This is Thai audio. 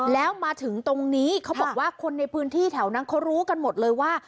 แล้วมาถึงตรงนี้เขาบอกว่าคนในพื้นที่แถวนั้นเขารู้กันหมดเลยว่า